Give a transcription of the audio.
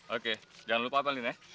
oke jangan lupa apalin ya